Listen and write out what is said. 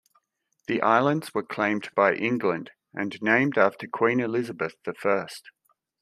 The islands were claimed by England and named after Queen Elizabeth the First.